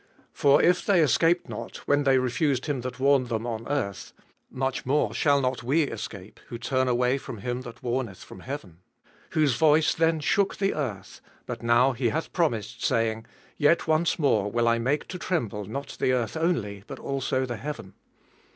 For if they escaped not, when they refused him that warned them on earth, much more shall not we escape, who turn away from Mm that warneth from heaven: 26. Whose voice then shook the earth: but now he hath promised, saying, Yet once more will I make to tremble not the earth only, but also the heaven.